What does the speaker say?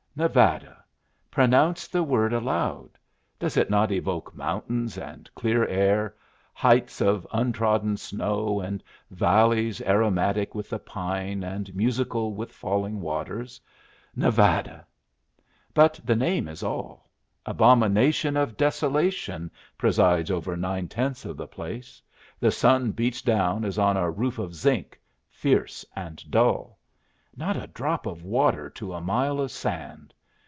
Nevada! Pronounce the word aloud. Does it not evoke mountains and clear air, heights of untrodden snow and valleys aromatic with the pine and musical with falling waters? Nevada! But the name is all. Abomination of desolation presides over nine tenths of the place. The sun beats down as on a roof of zinc, fierce and dull. Not a drop of water to a mile of sand.